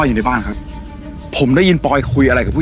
เมซดีจริงนะคะพ่อไม่ต้องเป็นรูปรูก